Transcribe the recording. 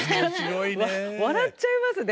笑っちゃいますね。